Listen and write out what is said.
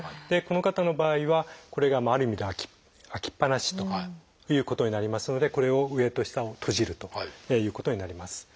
でこの方の場合はこれがある意味で開きっぱなしということになりますのでこれを上と下を閉じるということになります。